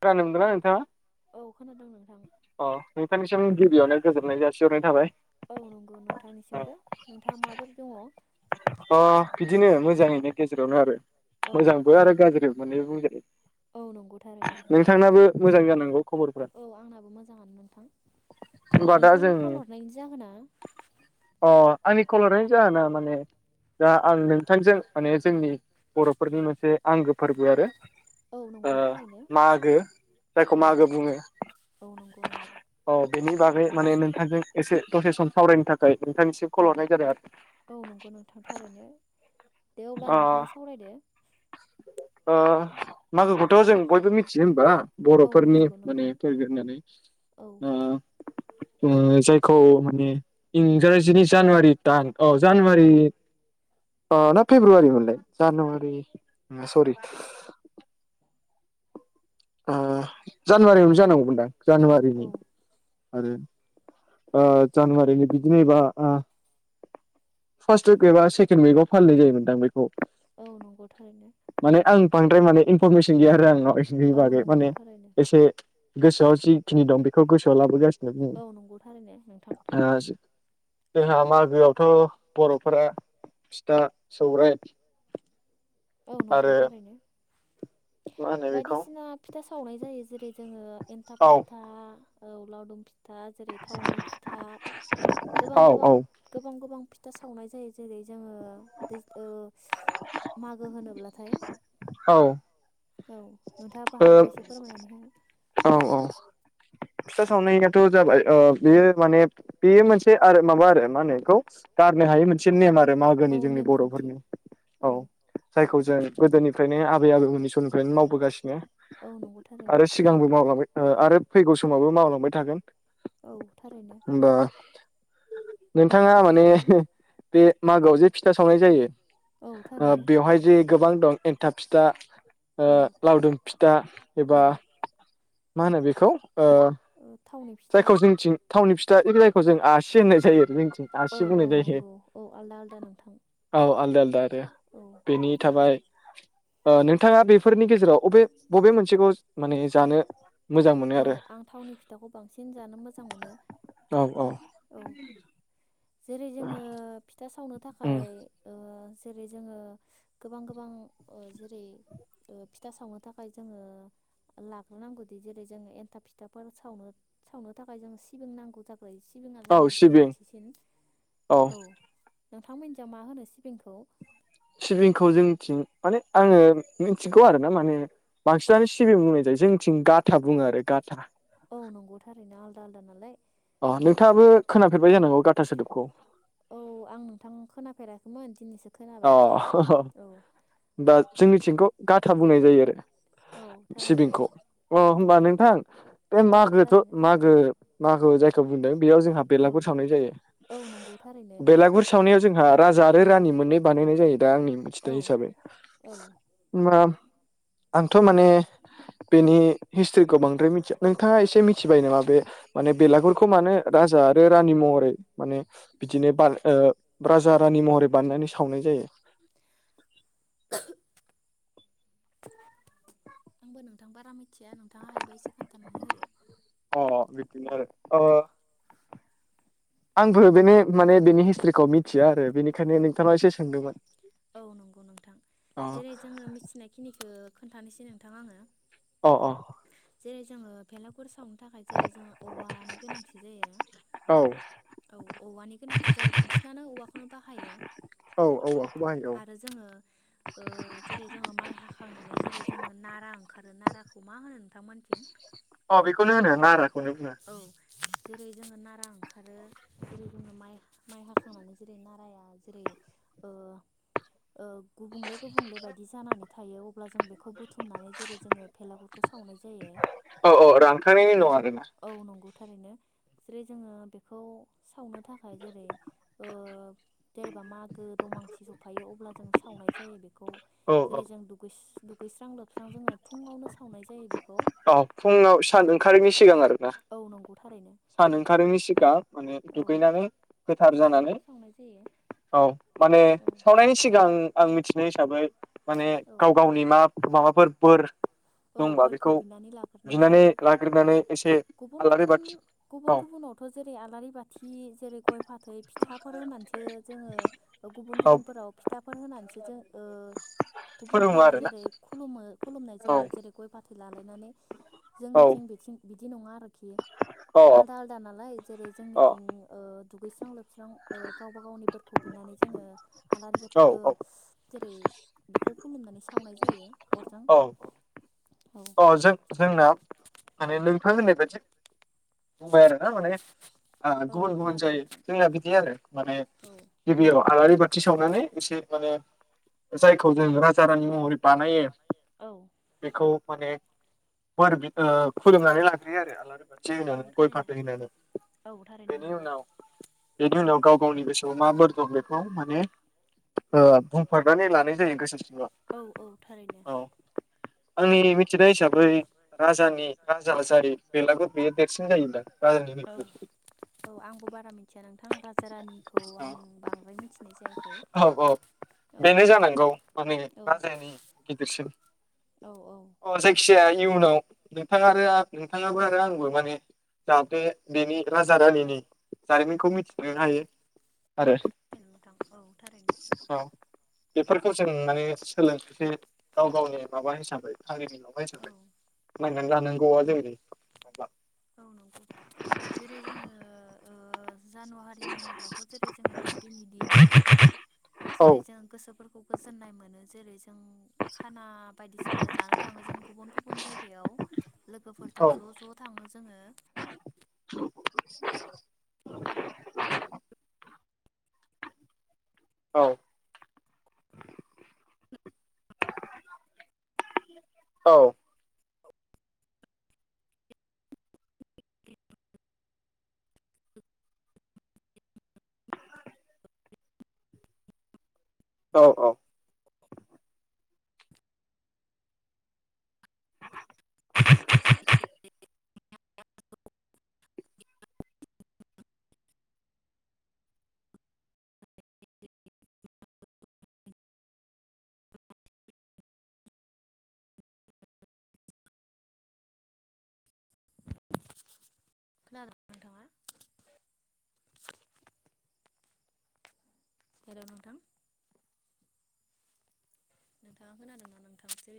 खोनानो मोनदोंना नोंथाङा अ नोंथांनिसिम गिबियावनो गोजोननाय जासिहरनाय थाबाय। औ नंगौ नोंथांनिसिमबो नोंथाङा माबोरै दङ? अ बिदिनो मोजाङैनो गेजेरावनो आरो। मोजांबो आरो गाज्रिबो। मोननैबो बुंजायो। औ नंगौ थारैनो। मोजां जानांगौ। खबरफ्रा होमबा दा जों अ आंनि कल हरनायनि जाहोना माने दा आं नों नोंथांजों माने जोंनि बर'फोरनि मोनसे आंगो फोरबो आरो ओ मागो जायखौ मागो बुङो औ। बेनि बागै माने नोंथांजों एसे दसे सम सावरायनो थाखाय। नोंथांनिसिम कल हरनाय जादों आरो थारैनो। दे अब्ला नोंथाङा सावरायदो। ओ मागोखौथ' जों बयबो मिथियो होमबा बर'फोरनि माने फोरबो होननानै ओह ओ जायखौ माने इंराजिनि जानुवारि दान औ जानुवारि ओ ना फेब्रुवारिमोनलाय जानुवारि सरि। ओ जानुवारियावनो जानांगौमोन। ओं जानुवारिनि आरो ओ जानुवारिनि बिदिनोबा ओ फार्स्ट उइक एबा सेकेण्ड उइकआव फालिनाय जायोमोनदां बेखौ, औ नंगौ थारैनो बांद्राय माने इनफरमेसन गैया आरो आंनाव, [unintelligible] बागै माने एसे गोसोआव जिखिनि दं बेखौ गोसोआव लाबोगासिनो औ नंगौ थारौनो नोंथां जोंहा मागो आवथ' बर' फोरा फिथा सौराय, औ नंगौ थारैनो, बायदिसिना फिथाय सा खावनाय जायो जेरै। जोङो एन्थाब फिथा। औ लावदुमफिथ था जेरै थावनि फिथा गोबां गोबां गोबां गोबां फिथ फिथा सावनाय जायो जेरै जोङो दैखो ओ, मागो होनोब्लाथाय, औ। औ। नोंथाङाबो हायोबा इसे फोरमायनानै हो, औ औ। फिथा सावनाय याथ' जाबाय ओ बेयो माने बेयो मोनसे आरो माबा आरो मा होनो बेखौ गारनो हायौ मोनसे नेमा आरो। बे मागोनि जोंनि बर' फोरनि औ जायखौ जों गोदोनिफ्रायनो आबै आबौमोननि समनिफ्रायनो मावबोगासिनो। आरो सिगांबो मावगाबाय। ओ आरो फैगौ स समावबो मावलांबाय थागोन। ओमबा। नोंथाङा माने बे मागोआव जे फिथा सावनाय जायो। ओ बेवहाय जे, गोबां दं एन्थाब फिथा। ओ लावदुम फिथा एबा, मा होनो बेखौ। ओ जायखौ जोंनिथिं थाावननि फि जायखौ जों आसि होननाय जायो जोंनिथिं। आसि बुंनाय जायो औ आलदाआल। दे बेनि थाबाय। ओ नोंथाङा बेफोरनि गेजेराव अबे बबे मोनसेखौ माने जानो। औ आं थावनि फिथाखौ बांसि इन जानो मोजां मोनो। औ जेरै जोङो फिथ सावनो थाखाय ओ जेरै जोङो गोबां गोबां ओ जेरै फिथा ओ सावनो थाखाय जोङो लाग्रोनांगौदि जेरै जोङो एन्थाब फिथाफोर सावनो-सावनो थाखाय जों सिबिं नांगौ जाग्रोयो सि औ सिबिं औ नोंथांमोनजियाव मा होनो सिबिंखौ सिबिंखौ जोंनिथिं माने आङो मिथिगौ आरोना माने बांसिनानो सिबिं बुंनाय जायो जोंनिथिं गाथा बुङो आरो गाथा। अ नंगौथ आरोना आलदा आलदा नालाय। अ नोंथाङाबो खोनाफेरबाय जानांगौ गाथा सोदोबखौ नोंथां खोनाफेराखैमोन दिनिसो अ-ह-ह दा जोंनिथिंख गाथा बुंनाय जायो आरो। सिबिंखौ अ होमबा नोंथां बे मागोथ मागो मागो जायखौ बुंदों। बेयाव जोंहा बेलागुर सावनाय जायो बेलागुर सावनाय जोंहा राज जा जारो रानि मोननै बानायनाय जायो। दा आंनि मिथिनाय हिसाबै माम आंथ माने बेनि हिस्ट्रिखौ बांद्राय मिथिया नोंथाङा एसे मिथिबाय नामा बे माने बेलागुरखौ मानो राजा आरो रानि महरै माने बिदिनो बान-राजा रानि महरै बानायनानै सा सावनाय जायो। आंबो नोंथां बारा मिथिया नोंथाङा हायोबा एसे खोन्थानानै होदो। अ बिदिनो आरो ओ आंबो बेनि माने बेनि हिस्ट्रिखौ मिथिया आरो बेनिखायनो नोंथांनाव एसे सोंदोंमोन। औ नंगौ नोंथां जेरै जोङो मिथिनाय खिनिखो खोन्थानोसै नोंथां आङो। अ अ जेरै जोङो भेलागुर साव बे थाखाय जेरै जोङो औवानि गोनांथि जायो औ औवानि गोनांथि जायो बांसिनानो औवाखौनो बाहायो आरो जोङो ओ जेरै जोङो माइ हाखांनानै जेरै जोङो नारा ओंखारो नाराखौ नोंथांमोन अ बेखौनो होनो नाराखौनो बुङो। जेरै जोङो नारा ओंखारो जेरै जोङो माइ माइ हाखांनानै जेरै नाराया जेरै ओ ओ गुबुंले गुबुंले बायदि जानानै थायो अब्ला जों बेखौ बुथुमनानै जेरै जोङो फेलागुर सावनाय जायो दुगै औ नंगौथ'। थारैनो जेरै जोङो बेखौ सावनो थाखाय जेरै ओ जेनेबा मागो दमासि सौफायो अब्ला जों सावनाय जायो। बेखौ जेरै जों दुगैस दुगैस्रां लोबस्रां जोङो फुङावनो सावनाय जायो बे अ फुङाव सान ओंखारिनि सि सिगां आरो औ नंगौ थारैनो। सान ओंखारिनि सिगां माने दुगैनानै गोथार जानानै औ माने सावनायनि सिगां आं मिथिनो हिसाबै। माने गाव गावनि मा माबाफोर बोर दंबा बेखौ बिनानै लाग्रोनानै एसे आलारि बाथि गुबुन गुबुनावथ' जेरै आलारि बाथि जेरै गय फाथै फिथाफोर होननानैसो जोङो गुबुन गुबुनफोराव फिथा फोर होनानैसो जों ओ गुबुनफोरा जेरै खुलुमो खुलुमनाय जायो। फाथै लालायनानै। जोंनिथिं बिथिं बिदि नङा आरोखि आलदा आलदा नालाय जेरै जोंनिथिं ओ दुगैस्रां लोब स्रां ओ गावबा गावनि बोरखौ बिनानै जोङो आलारि बाथ ओ जेरै बेखौ खुलुमनानै सावनाय जायो अरजों। अ जों जोंना माने नोंथां होननाय बादि बुंबाय आरो ना माने ओ गुबुन गुबुन जायो। जोंना बिदि आरो माने गिबियाव आलारि बाथि सावनानै एसे माने जायखौ जों राज जा रानि महरै बानायो बेखौ [unintelligible] खुलुमनानै लाग्रोयो आरो आलारि बाथि जि होनो गय फाथै होनानै बेनि उनाव बेनि उनाव गाव गावनि गोसोआव मा बोर दं बेखौ माने बुफोरनानै लानाय जायो गोसो सिङाव। औ। आंनि मिथिनाय हिसाबै राजानि राजा जाय बेलाबो बेयो देरसिन जायोन्दां राजानि औ औ बेनो जानांगौ माने राजानि गिदिरसिन! अ जायखि जाया इनि उनाव नोंथाङा आरो आं नोंथाङाबो आरो आंबो माने जाहाथे बेनि राजा रानिनि जारिमिनखौ मिथिनो हायो। नोंथां औ थारैनो। बेफोरखौ जों माने सोलों गाव गावनि माबा हिसाबै हारिनि माबा हिसाबै नायनानै लानांगौआ जोंनो माबा जानुवारि होनोब्लाथ' जेरै जोङो हेपिनि दिन जेरै जों गोसोफोरखौ गोजोननाय मोनो जेरै नों खाना बायदिसिना जानो थाङो जों गुबुन गुबुन जायगायाव लोगोफोरजों ज' ज' थाङो। जोङो। औ औ औ औ [inaudible] खोनादोंना नोंथांआ। हेल नोंथां। नोंथाङा खोनादों ना नोंथां जेर